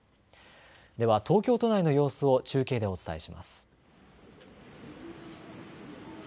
では東京都内の様子を中継でお伝えします。